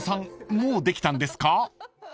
もうできたんですか？］